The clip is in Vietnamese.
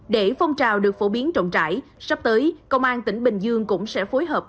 để phong trào được phổ biến trọng trải sắp tới công an tỉnh bình dương cũng sẽ phối hợp